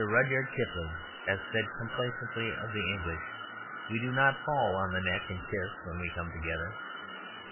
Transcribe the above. Rudyard Kipling has said complacently of the English, "We do not fall on the neck and kiss when we come together."